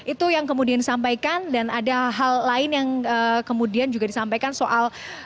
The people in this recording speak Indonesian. itu yang kemudian disampaikan dan ada hal lain yang kemudian juga disampaikan soal